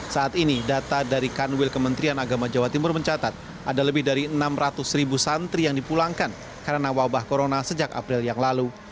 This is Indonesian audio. saat ini data dari kanwil kementerian agama jawa timur mencatat ada lebih dari enam ratus ribu santri yang dipulangkan karena wabah corona sejak april yang lalu